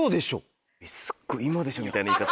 すっごい「今でしょ」みたいな言い方。